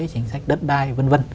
chính sách đất đai v v